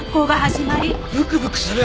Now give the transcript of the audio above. ブクブクする！